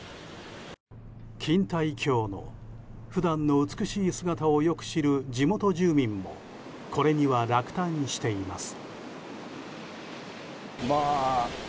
錦帯橋も普段の美しい姿をよく知る地元住民もこれには落胆しています。